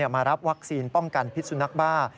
มารับวัคซีนป้องกันพิษสุนักบ้า